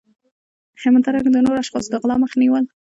همدارنګه د نورو اشخاصو د غلا مخه نیول